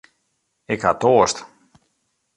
Ik ha toarst.